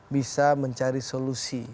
bisa mencari solusi